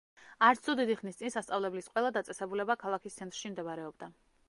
არცთუ დიდი ხნის წინ სასწავლებლის ყველა დაწესებულება ქალაქის ცენტრში მდებარეობდა.